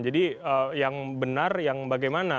jadi yang benar yang bagaimana